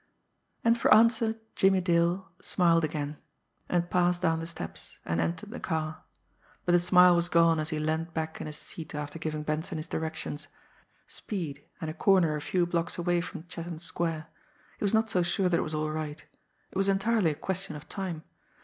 And for answer Jimmie Dale smiled again, and passed down the steps, and entered the car. But the smile was gone as he leaned back in his seat after giving Benson his directions speed, and a corner a few blocks away from Chatham Square he was not so sure that it was all right. It was entirely a question of time.